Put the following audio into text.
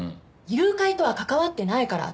誘拐とは関わってないから。